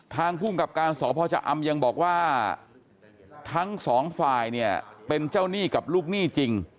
ทางภูมิกับการสพชะอำยังบอกว่าทั้งสองฝ่ายเนี่ยเป็นเจ้าหนี้กับลูกหนี้จริง